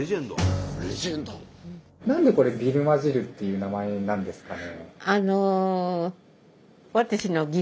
何でこれ「ビルマ汁」っていう名前なんですかね？